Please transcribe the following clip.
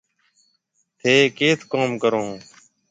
ٿَي ڪيٿ ڪوم ڪرون هون